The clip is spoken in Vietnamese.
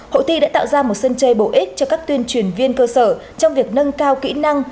hội thi đã tạo ra một sân chơi bổ ích cho các tuyên truyền viên cơ sở trong việc nâng cao kỹ năng